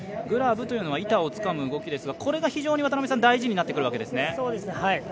グラブというのは板をつかむ動きですが、これが非常に大事になってくるわけですね。